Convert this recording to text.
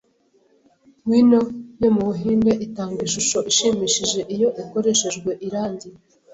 Wino yo mubuhinde itanga ishusho ishimishije iyo ikoreshejwe irangi.